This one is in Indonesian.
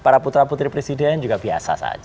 para putra putri presiden juga biasa saja